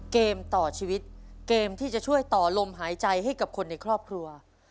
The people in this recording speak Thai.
เกมต่อชีวิตเกมที่จะช่วยต่อลมหายใจให้กับคนในครอบครัว